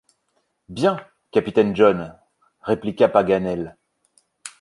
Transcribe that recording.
Bien, capitaine John, répliqua Paganel.